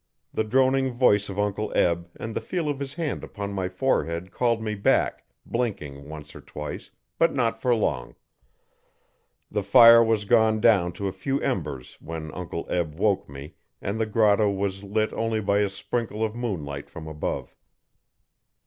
The droning voice of Uncle Eb and the feel of his hand upon my forehead called me back, blinking, once or twice, but not for long. The fire was gone down to a few embers when Uncle Eb woke me and the grotto was lit only by a sprinkle of moonlight from above.